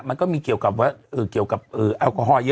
มันก็มีเกี่ยวกับว่า